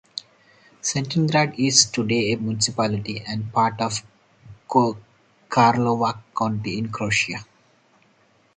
Cetingrad is today a municipality and part of Karlovac County in Croatia.